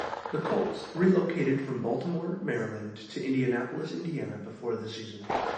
The Colts relocated from Baltimore, Maryland to Indianapolis, Indiana before the season.